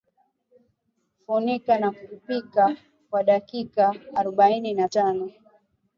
Funika na kupika kwa dakika aroubaini na tano